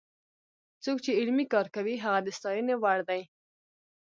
څوک چې علمي کار کوي هغه د ستاینې وړ دی.